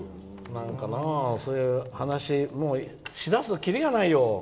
そういう話をしだすと切りがないよ。